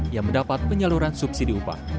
yang mendapat penyaluran subsidi upah